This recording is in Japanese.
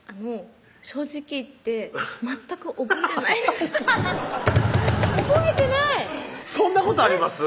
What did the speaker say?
正直言って全く覚えてないです覚えてないそんなことあります？